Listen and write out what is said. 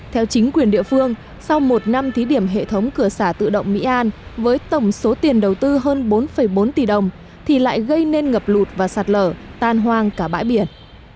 theo chính quyền địa phương sau một năm thí điểm hệ thống cửa xả tự động mỹ an với tổng số tiền đầu tư hơn bốn bốn tỷ đồng thì lại gây nên ngập lụt và sạt lở tan hoang cả bãi biển